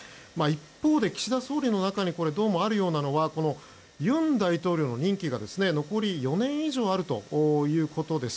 一方で、岸田総理の中にどうもあるようなのが尹大統領の任期が、残り４年以上あるということです。